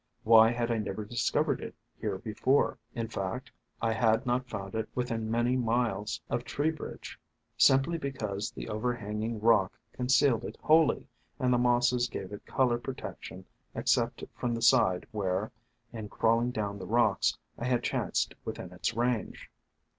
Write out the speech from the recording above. Why had I never discovered it here before? In fact, I had not found it within many miles of Tree bridge. Simply because the overhanging rock concealed it wholly, and the Mosses gave it color protection N 210 THE FANTASIES OF FERNS except from the side where, in crawling down the rocks, I had chanced within its range.